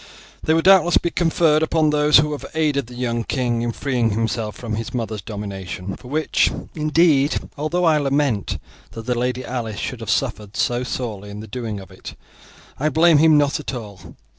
They will doubtless be conferred upon those who have aided the young king in freeing himself from his mother's domination, for which, indeed, although I lament that Lady Alice should have suffered so sorely in the doing of it, I blame him not at all.